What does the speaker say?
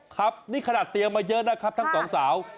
ครับนี่ขนาดเตรียมมาเยอะนะครับทั้งสองสาว